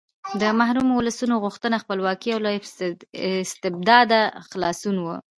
د محرومو ولسونو غوښتنه خپلواکي او له استبداده خلاصون و.